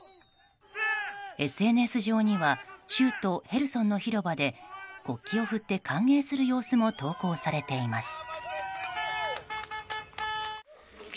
ＳＮＳ上には州都ヘルソンの広場で国旗を振って歓迎する様子も投稿されています。